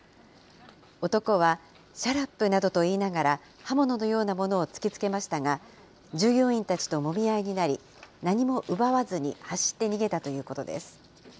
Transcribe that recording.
男はシャラップなどと言いながら、刃物のようなものを突きつけましたが、従業員たちともみ合いとなり、何も奪わずに走って逃げたということです。